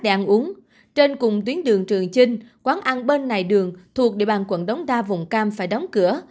để ăn uống trên cùng tuyến đường trường chinh quán ăn bên này đường thuộc địa bàn quận đông đa vùng cam phải đóng cửa